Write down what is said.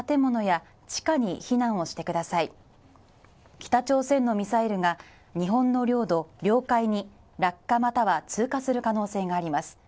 北朝鮮のミサイルが日本の領土・領海に落下または通過する可能性があります。